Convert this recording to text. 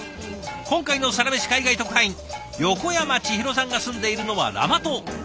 今回のサラメシ海外特派員横山ちひろさんが住んでいるのはラマ島。